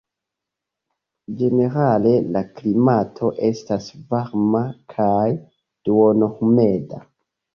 Ĝenerale la klimato estas varma kaj duonhumeda.